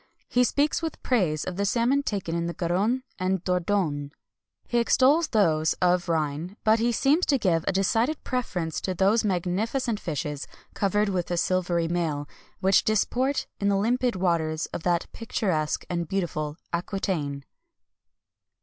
He speaks with praise of the salmon taken in the Garonne and Dordogne. He extols those of the Rhine, but he seems to give a decided preference to those magnificent fishes covered with a silvery mail, which disport in the limpid waters of that picturesque and beautiful Aquitaine.